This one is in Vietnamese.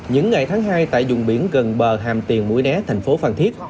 những ngày tháng hai tại dùng biển gần bờ hàm tiền muối né thành phố phan thiết